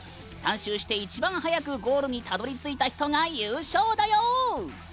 ３周して一番はやくゴールにたどりついた人が優勝だよ！